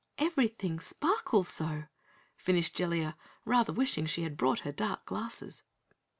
"Everything sparkles so," finished Jellia, rather wishing she had brought her dark glasses.